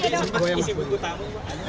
tadi sempat isi buku tamu